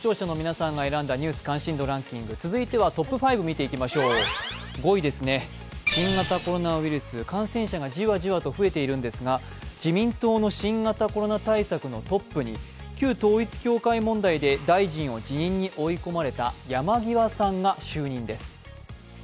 続いてはトップ５見ていきましょう。５位です、新型コロナウイルス感染者がじわじわと増えているんですが自民党の新型コロナ対策のトップに旧統一教会問題で大臣を辞任に追い込まれた山際さんが就任です。